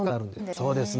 そうですね。